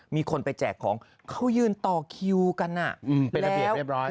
มีคนไปแจกของเขายืนต่อคิวกันเป็นระเบียบเรียบร้อย